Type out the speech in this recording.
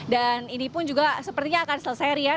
ini pun juga sepertinya akan selesai rian